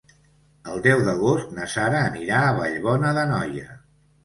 El deu d'agost na Sara anirà a Vallbona d'Anoia.